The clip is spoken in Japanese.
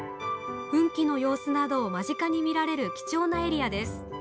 噴気の様子などを間近に見られる貴重なエリアです。